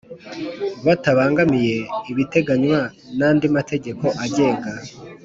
Bitabangamiye ibiteganywa n andi mategeko agenga